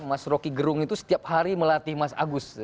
mas roky gerung itu setiap hari melatih mas agus